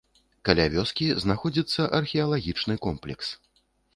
Каля вёскі знаходзіцца археалагічны комплекс.